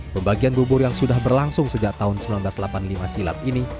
pembagian bubur yang sudah berlangsung sejak tahun seribu sembilan ratus delapan puluh lima silam ini